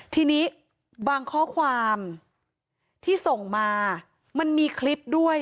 ทีนี้บางข้อความที่ส่งมามันมีคลิปด้วย